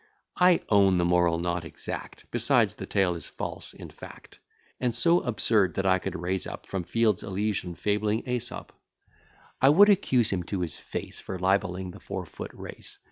I own the moral not exact, Besides, the tale is false, in fact; And so absurd, that could I raise up, From fields Elysian, fabling Æsop, I would accuse him to his face, For libelling the four foot race.